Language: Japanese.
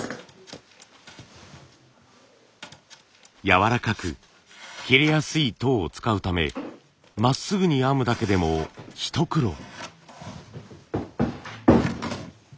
やわらかく切れやすい籐を使うためまっすぐに編むだけでも一苦労。